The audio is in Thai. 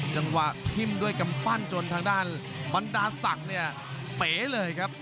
จังหวะทิ้มด้วยกำปั้นจนทางด้านบรรดาศักดิ์เนี่ยเป๋เลยครับ